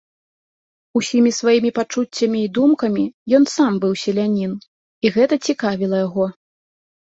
Усімі сваімі пачуццямі і думкамі ён сам быў селянін, і гэта цікавіла яго.